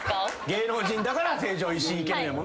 芸能人だから成城石井行けるんやもんな。